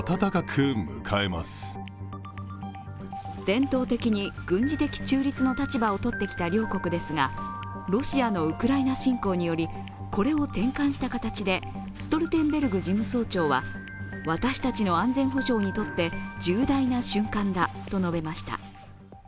伝統的に軍事的中立の立場をとってきた両国ですがロシアのウクライナ侵攻によりこれを転換した形でストルテンベルグ事務総長は、私たちの安全保障にとって重大な瞬間だと述べました。